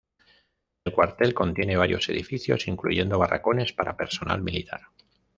El cuartel contiene varios edificios, incluyendo barracones para personal militar.